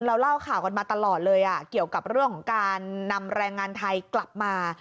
เล่าข่าวกันมาตลอดเลยเกี่ยวกับเรื่องของการนำแรงงานไทยกลับมา